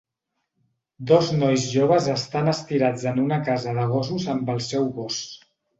Dos nois joves estan estirats en una casa de gossos amb el seu gos.